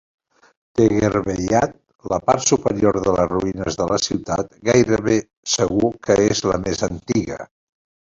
Tegherbeyat, la part superior de les ruïnes de la ciutat, gairebé segur que és la més antiga.